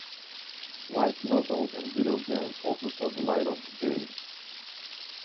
Light novels and video games also saw the light of the day.